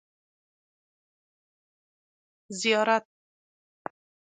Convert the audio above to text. ـ زیارت.